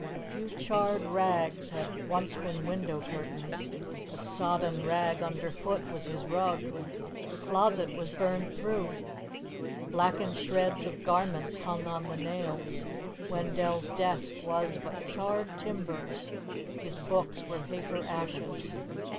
A few charred rags had once been window curtains. A sodden rag underfoot was his rug. The closet was burned through. Blackened shreds of garments hung on the nails. Wendell's desk was but charred timbers. His books were paper ashes.